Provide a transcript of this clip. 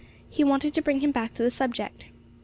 He wanted to bring him back to the subject.